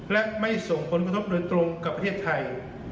และไม่ส่งผลกระทบโดยตรงกับประเทศไทย